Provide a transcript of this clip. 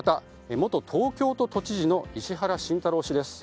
元東京都都知事の石原慎太郎氏です。